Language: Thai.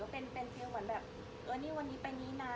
เป็นเรื่องเหมือนว่านี้วันนี้ไปนี้นะ